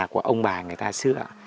của ông bà người ta xưa ạ